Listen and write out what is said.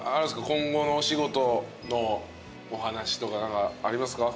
今後のお仕事のお話とかありますか？